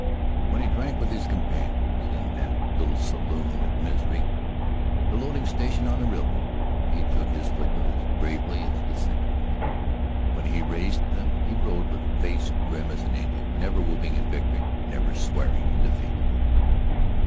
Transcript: When he drank with his companions in the little saloon at Misery, the loading station on the railroad, he took his liquor as gravely as the sacrament; when he raced them he rode with face grim as an Indian, never whooping in victory, never swearing in defeat.